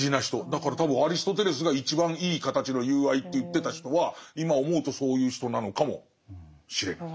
だから多分アリストテレスが一番いい形の友愛って言ってた人は今思うとそういう人なのかもしれない。